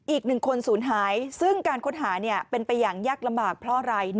อีก๑คนศูนย์หายซึ่งการค้นหาเป็นไปอย่างยากลำบากเพราะอะไร